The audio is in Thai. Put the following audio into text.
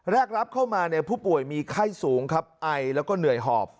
แรกรับเข้ามาเนี่ยผู้ป่วยมีไข้สูงครับไอแล้วก็เหนื่อยหอบ